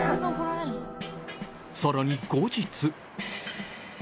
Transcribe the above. さらに後日。